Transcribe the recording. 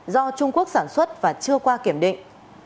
do trung quốc sản xuất và chưa qua kiểm định